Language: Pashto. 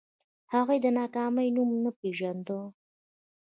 هغې د ناکامۍ نوم نه پېژانده